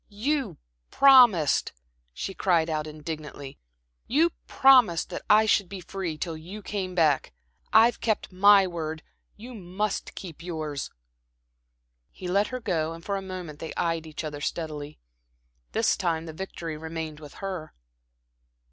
"You promised," she cried out indignantly, "you promised that I should be free till you came back. I've kept my word, you must keep yours." He let her go and for a moment they eyed each other steadily. This time the victory remained with her.